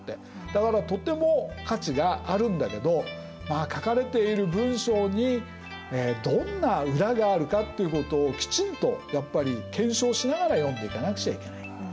だからとても価値があるんだけど書かれている文章にどんな裏があるかっていうことをきちんとやっぱり検証しながら読んでいかなくちゃいけない。